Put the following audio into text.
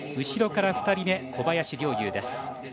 後ろから２人目、小林陵侑です。